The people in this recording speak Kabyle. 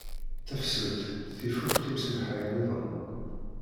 Tafsut tif akk tisemhay-nniḍen